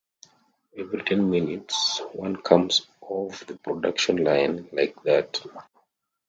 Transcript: Every ten minutes, one comes off the production line, like that.